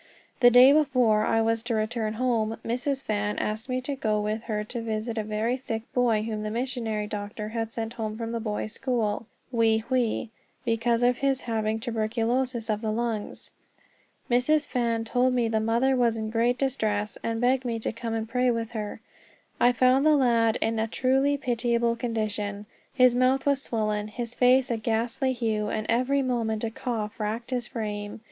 The day before I was to return home, Mrs. Fan asked me to go with her to visit a very sick boy whom the missionary doctor had sent home from the boys' school, Wei Hwei, because of his having tuberculosis of the lungs. Mrs. Fan told me the mother was in great distress, and begged me to come and pray with her. I found the lad in a truly pitiable condition. His mouth was swollen, his face a ghastly hue, and every moment a cough racked his frame.